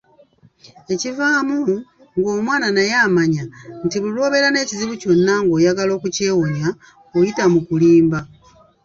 Ekivaamu nga n'omwana naye amanya nti buli lwobeera n'ekizibu kyonna ng'oyagala kukyewonya oyita mu kulimba